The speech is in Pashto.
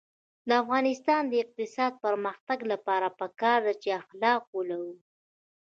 د افغانستان د اقتصادي پرمختګ لپاره پکار ده چې اخلاق ولرو.